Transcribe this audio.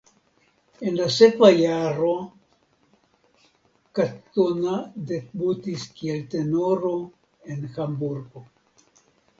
En la sekva jaro Katona debutis kiel tenoro en Hamburgo.